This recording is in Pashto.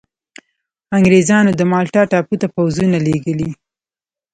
انګرېزانو د مالټا ټاپو ته پوځونه لېږلي.